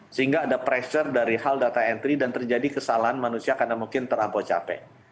sehingga ada pressure dari hal data entry dan terjadi kesalahan manusia karena mungkin terlampau capek